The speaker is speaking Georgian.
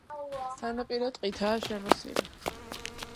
სანაპირო ტყითაა შემოსილი.